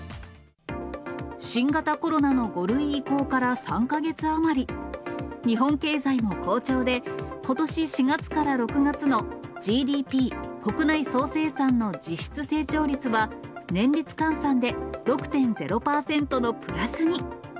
新型コロナの５類移行から３か月余り、日本経済も好調で、ことし４月から６月のＧＤＰ・国内総生産の実質成長率は、年率換算で６．０％のプラスに。